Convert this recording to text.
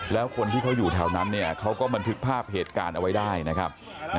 แล้วคนที่เขาอยู่แถวนั้นเขาก็บันทึกภาพเหตุการณ์เอาไว้ได้นะครับ